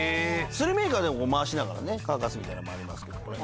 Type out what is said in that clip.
スルメイカでも回しながらね乾かすみたいなのもありますけどもね。